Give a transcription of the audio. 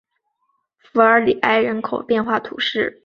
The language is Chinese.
弗尔里埃人口变化图示